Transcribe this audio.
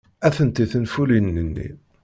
Atenti tenfulin-nni.